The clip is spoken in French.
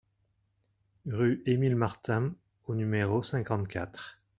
Rue Émile Martin au numéro cinquante-quatre